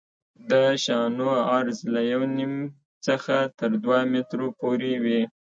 د شانو عرض له یو نیم څخه تر دوه مترو پورې وي